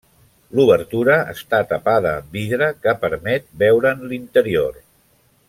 L'obertura està tapada amb vidre que permet veure'n l'interior.